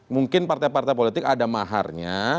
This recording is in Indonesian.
mungkin partai partai politik ada maharnya